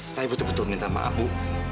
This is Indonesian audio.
saya betul betul minta maaf bu